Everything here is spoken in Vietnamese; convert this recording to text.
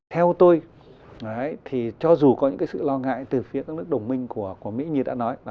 theo tôi thì cho dù có những sự lo ngại từ phía các nước đồng minh của mỹ như đã nói